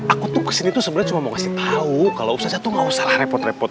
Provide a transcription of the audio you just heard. aku tuh kesini tuh sebenarnya cuma mau kasih tahu kalau ustazah tuh nggak usahlah repot repot